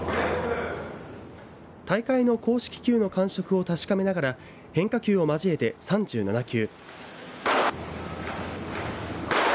大会の公式球の感触を確かめながら変化球を交えて３７球。